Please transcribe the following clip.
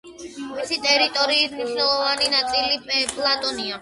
მისი ტერიტორიის მნიშვნელოვანი ნაწილი პლატოა.